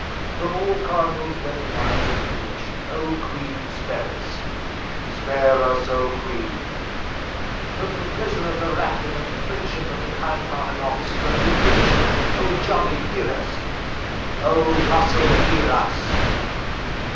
_ "From all Cardinals whether wise or foolish. Oh! Queen Spare us. "Spare us, Oh Queen. "From the pleasure of the Rack, and the friendship of the kind hearted officers of the Inquisition. Oh! Johnny hear us. "_Oh! Russell hear us.